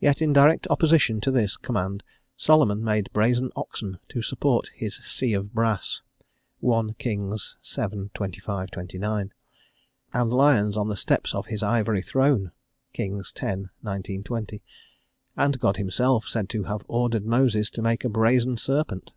Yet in direct opposition to this command, Solomon made brazen oxen to support his sea of brass (1 Kings vii. 25,29) and lions on the steps of his ivory throne (Kings x. 19,20) and God himself, said to have ordered Moses to make a brazen Serpent.